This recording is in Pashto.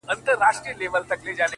گرېـوانـونه به لانــــده كـــــــــړم؛